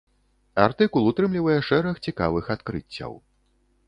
Артыкул утрымлівае шэраг цікавых адкрыццяў.